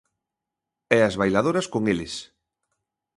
E as bailadoras con eles.